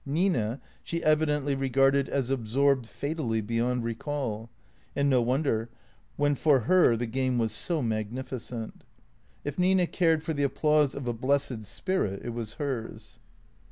Nina she evi dently regarded as absorbed fatally, beyond recall; and no won der, when for her the game was so magnificent. If Nina cared for the applause of a blessed spirit, it was hers.